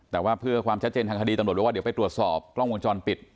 แต่ว่าเพื่อความชัดเจนทางคดีตำรวจบอกว่าเดี๋ยวไปตรวจสอบกล้องวงจรปิด